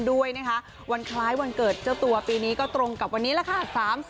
ด้วยนะคะวันคล้ายวันเกิดเจ้าตัวปีนี้ก็ตรงกับวันนี้แหละค่ะ